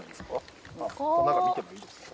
中見てもいいですか？